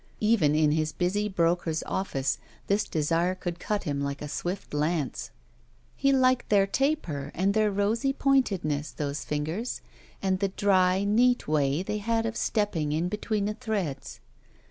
Even in his busy broker's office, this dksire could cut him like a swift lance. He liked their taper and their rosy pointedness, those fingers, and the dry, neat way they had of stepping in between the threads.